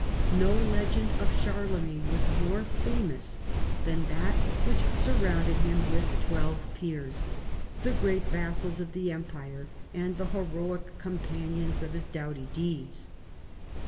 No legend of Charlemagne was more famous than that which surrounded him with twelve peers, the great vassals of the Empire and the heroic companions of his doughty deeds.